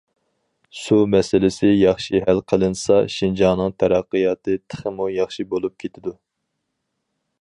سۇ مەسىلىسى ياخشى ھەل قىلىنسىلا شىنجاڭنىڭ تەرەققىياتى تېخىمۇ ياخشى بولۇپ كېتىدۇ.